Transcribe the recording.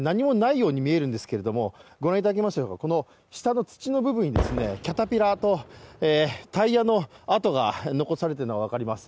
ここ、何もないように見えるんですけれども、ご覧いただくと下の土の部分にキャタピラとタイヤの跡が残されているのが分かります。